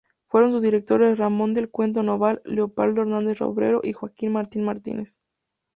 Fueron sus directores Ramón del Cueto Noval, Leopoldo Hernández Robredo y Joaquín Martín Martínez.